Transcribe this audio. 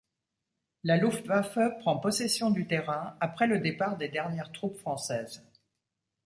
La Luftwaffe prend possession du terrain après le départ des dernières troupes françaises.